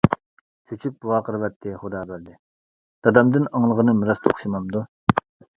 -چۈچۈپ ۋارقىرىۋەتتى خۇدابەردى، -دادامدىن ئاڭلىغىنىم راست ئوخشىمامدۇ.